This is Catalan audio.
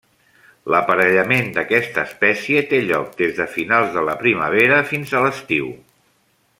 L'aparellament d'aquesta espècie té lloc des de finals de la primavera fins a l'estiu.